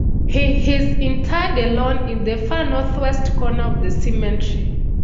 He is interred alone in the far northwest corner of the cemetery.